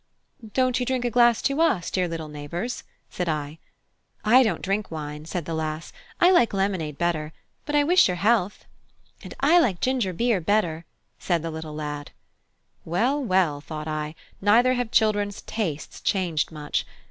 "Don't you drink a glass to us, dear little neighbours?" said I. "I don't drink wine," said the lass; "I like lemonade better: but I wish your health!" "And I like ginger beer better," said the little lad. Well, well, thought I, neither have children's tastes changed much.